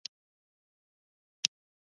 مصنوعي ځیرکتیا د رسنیز تولید بهیر بدلوي.